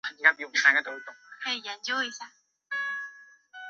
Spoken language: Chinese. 只剩下十分钟了